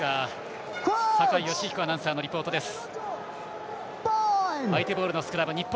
酒井良彦アナウンサーのリポートです。